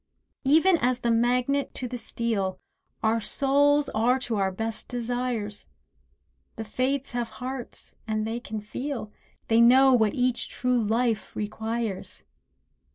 Even as the magnet to the steel Our souls are to our best desires; The Fates have hearts and they can feel— They know what each true life requires.